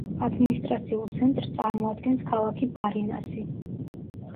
ადმინისტრაციულ ცენტრს წარმოადგენს ქალაქი ბარინასი.